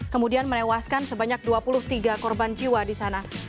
kemudian menewaskan sebanyak dua puluh tiga korban jiwa di sana